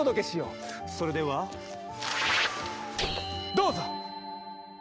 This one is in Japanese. それではどうぞ！